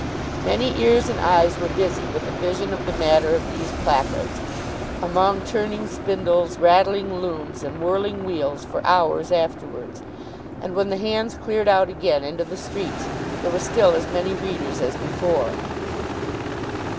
Many ears and eyes were busy with a vision of the matter of these placards, among turning spindles, rattling looms, and whirling wheels, for hours afterwards; and when the Hands cleared out again into the streets, there were still as many readers as before.